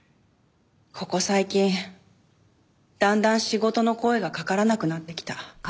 ここ最近だんだん仕事の声がかからなくなってきた。